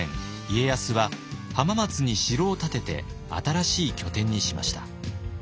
家康は浜松に城を建てて新しい拠点にしました。